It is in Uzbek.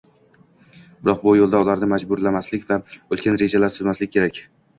biroq bu yo‘lda ularni majburlamaslik va ulkan rejalar tuzmaslik kerak.